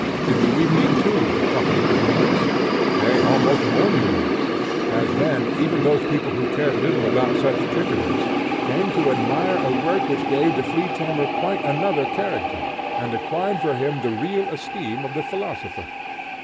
In the evening, too, the company was numerous, nay almost more numerous, as then even those people, who cared little about such trickeries, came to admire a work which gave the flea tamer quite another character, and acquired for him the real esteem of the philosopher.